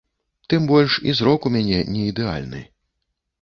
Тым больш, і зрок у мяне не ідэальны.